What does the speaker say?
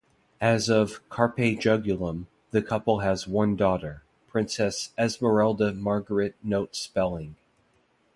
As of "Carpe Jugulum" the couple has one daughter, Princess Esmerelda Margaret Note Spelling.